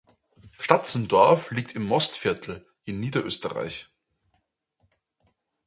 Statzendorf liegt im Mostviertel in Niederösterreich.